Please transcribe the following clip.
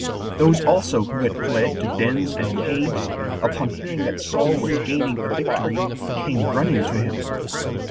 Those also who had fled to dens and caves, upon hearing that Saul was gaining a victory, came running to him.